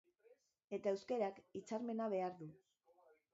Eta euskarak hitzarmena behar du.